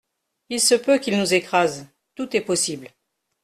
Il se peut qu'ils nous écrasent, tout est possible.